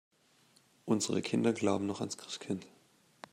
Unsere Kinder glauben noch ans Christkind.